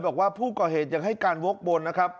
บอกว่าผู้ก่อเหตุยังให้การวกวนนะครับ